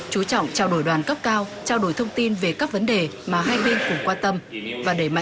chú trọng trao đổi đoàn cấp cao trao đổi thông tin về các vấn đề mà hai bên cũng quan tâm